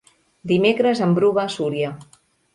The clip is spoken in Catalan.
Dimecres en Bru va a Súria.